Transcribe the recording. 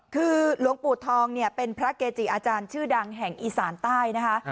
คือหลวงปู่ทองเนี่ยเป็นพระเกจิอาจารย์ชื่อดังแห่งอีสานใต้นะคะ